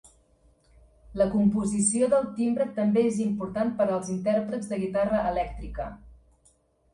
La composició del timbre també és important per als intèrprets de guitarra elèctrica.